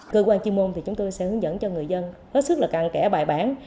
cơ quan chuyên môn thì chúng tôi sẽ hướng dẫn cho người dân rất sức là càng kẻ bài bản